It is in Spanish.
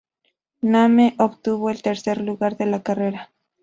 Name obtuvo el tercer lugar de la carrera.